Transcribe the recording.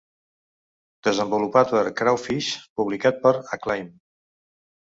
Desenvolupat per Crawfish, publicat per Acclaim.